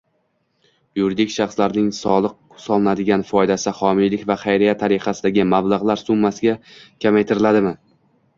Yuridik shaxslarning soliq solinadigan foydasi homiylik va xayriya tariqasidagi mablag‘lar summasiga kamaytiriladimi?